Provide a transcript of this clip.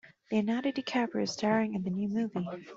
Leonardo DiCaprio is staring in the new movie.